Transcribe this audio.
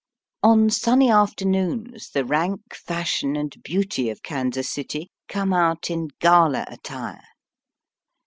On sunny afternoons the rank, fashion, and beauty of Kansas City come out in gala attire.